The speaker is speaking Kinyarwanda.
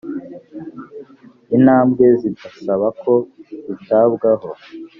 intambwe zigasaba ko zitabwaho